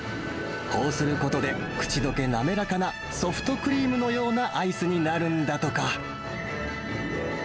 こうすることで、口どけ滑らかな、ソフトクリームのようなアイスになるんだとか。